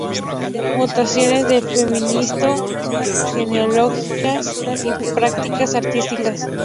Mutaciones del feminismo: genealogías y prácticas artísticas.